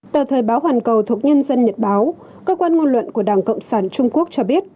tờ thời báo hoàn cầu thuộc nhân dân nhật báo cơ quan ngôn luận của đảng cộng sản trung quốc cho biết